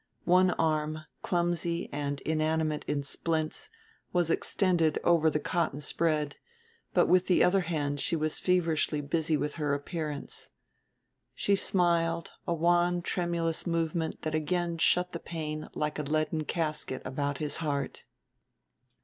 One arm, clumsy and inanimate in splints, was extended over the cotton spread; but with the other hand she was feverishly busy with her appearance. She smiled, a wan tremulous movement that again shut the pain like a leaden casket about his heart.